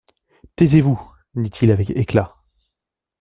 Taisez-vous, dit-il avec éclat.